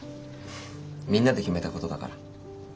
みんなで決めたことだから。